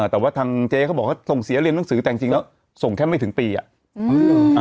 แต่ว่าทางเจ๊เขาบอกเขาส่งเสียเรียนหนังสือแต่จริงแล้วส่งแค่ไม่ถึงปีอ่ะอืม